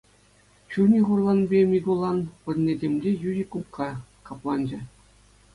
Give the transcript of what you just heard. Чунӗ хурланнипе Микулан пырне темӗнле йӳҫӗ кумкка капланчӗ.